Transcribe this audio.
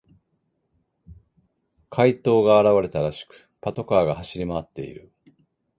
怪盗が現れたらしく、パトカーが走り回っている。